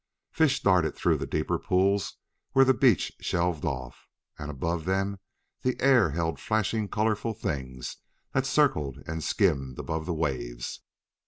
Fish darted through the deeper pools where the beach shelved off, and above them the air held flashing colorful things that circled and skimmed above the waves.